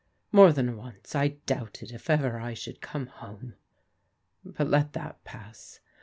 More than once I doubted if ever I should come home; — ^but let that pass.